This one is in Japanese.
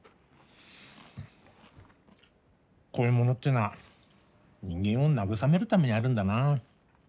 こういうものっていうのは人間を慰めるためにあるんだな。